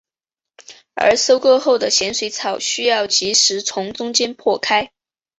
而收割后的咸水草需要即时从中间破开。